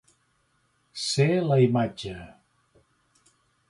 Ser la imatge.